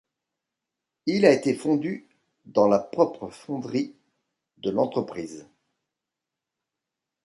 Il a été fondu dans la propre fonderie de l'entreprise.